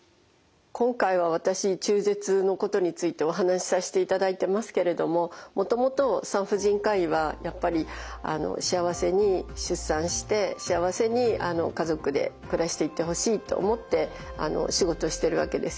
今回は私中絶のことについてお話しさせていただいてますけれどももともと産婦人科医はやっぱり幸せに出産して幸せに家族で暮らしていってほしいと思って仕事してるわけですよね。